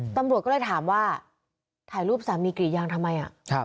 ตำรวจก็เลยถามว่าถ่ายรูปสามีกรีดยางทำไม